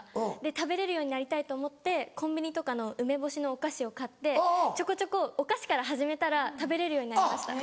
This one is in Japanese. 食べれるようになりたいと思ってコンビニとかの梅干しのお菓子を買ってちょこちょこお菓子から始めたら食べれるようになりました。